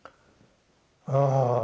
ああ